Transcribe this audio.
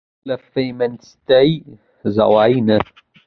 که له فيمنستي زاويې نه